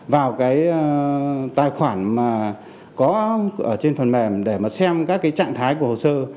vào cái tài khoản mà có ở trên phần mềm để mà xem các cái trạng thái của hồ sơ